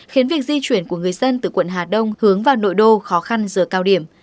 khiến việc di chuyển của người dân từ quận hà đông hướng vào nội đô khó khăn giờ cao điểm